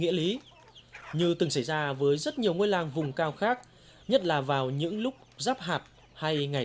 vậy nhưng chỉ cần bước chân ra khỏi đây